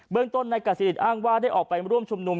เมืองต้นนายกัสศิริตอ้างว่าได้ออกไปร่วมชุมนุม